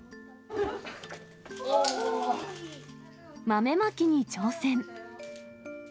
豆まきに挑戦。